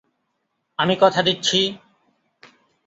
আমি কথা দিচ্ছি।